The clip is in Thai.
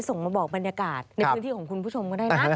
ส่งมาบอกบรรยากาศในพื้นที่ของคุณผู้ชมก็ได้นะ